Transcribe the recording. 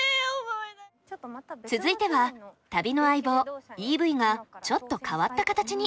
続いては旅の相棒ＥＶがちょっと変わった形に。